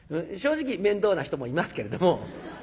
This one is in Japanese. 正直面倒な人もいますけれども。